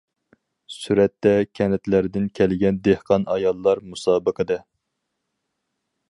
سۈرەتتە: كەنتلەردىن كەلگەن دېھقان ئاياللار مۇسابىقىدە.